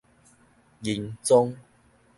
仁宗